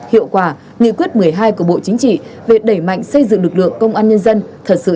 hiệu quả nghị quyết một mươi hai của bộ chính trị về đẩy mạnh xây dựng lực lượng công an nhân dân thật sự